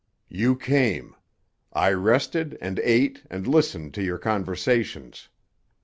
"You came. I rested and ate and listened to your conversations.